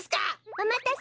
おまたせ。